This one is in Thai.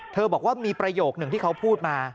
บอกว่ามีประโยคนึงที่เขาพูดมา